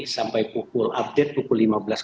sampai pukul update pukul lima belas